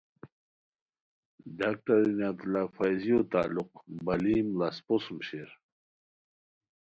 ڈاکٹر عنایت اللہ فیضیو تعلق بالیم ڑاسپو سوم شیر